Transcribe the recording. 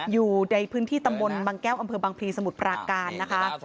อยู่ในพื้นที่ตำบลบางแก้วอำเภอบางพลีสมุทรปราการนะคะ